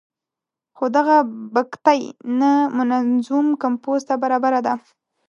خو دغه بګتۍ نه منظوم کمپوز ته برابره ده.